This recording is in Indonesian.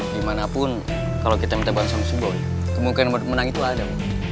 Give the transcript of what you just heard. gimanapun kalau kita minta bantuan sama si boy kemungkinan menang itu ada